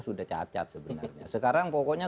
sudah cacat sebenarnya sekarang pokoknya